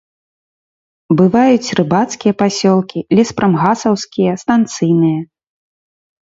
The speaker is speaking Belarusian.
Бываюць рыбацкія пасёлкі, леспрамгасаўскія, станцыйныя.